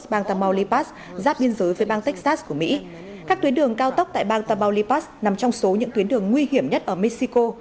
tại bang tamaulipas giáp biên giới với bang texas của mỹ các tuyến đường cao tốc tại bang tamaulipas nằm trong số những tuyến đường nguy hiểm nhất ở mexico